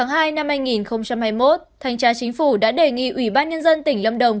ngày hai mươi bốn tháng hai năm hai nghìn hai mươi một thành tra chính phủ đã đề nghị ủy ban nhân dân tỉnh lâm đồng